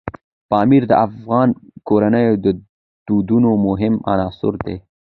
پامیر د افغان کورنیو د دودونو مهم عنصر دی.